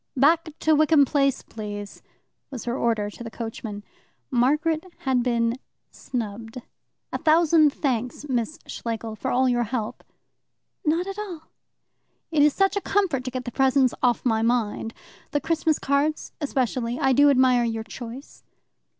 "Back to Wickham Place, please!" was her order to the coachman. Margaret had been snubbed. "A thousand thanks, Miss Schlegel, for all your help." "Not at all." "It is such a comfort to get the presents off my mind the Christmas cards especially. I do admire your choice."